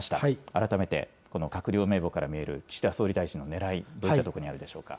改めてこの閣僚名簿から見える岸田総理大臣のねらい、どういったところにあるでしょうか。